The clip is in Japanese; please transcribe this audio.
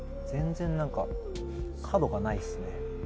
全然何か角がないっすね。